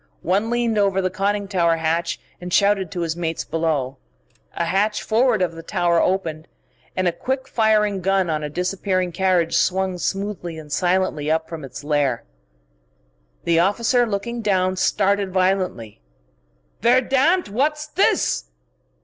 One leaned over the conning tower hatch and shouted to his mates below. A hatch forward of the tower opened, and a quick firing gun on a disappearing carriage swung smoothly and silently up from its lair. The other officer, looking down, started violently. "Verdammt! What's this?"